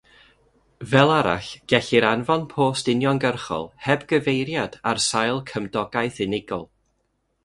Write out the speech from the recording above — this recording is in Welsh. Fel arall, gellir anfon post uniongyrchol heb gyfeiriad ar sail cymdogaeth unigol.